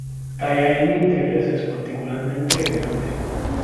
Talla en dinteles es particularmente elegante.